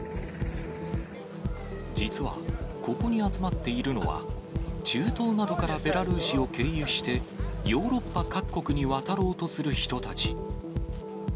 実は、ここに集まっているのは、中東などからベラルーシを経由して、ヨーロッパ各国に渡ろうとする人たち。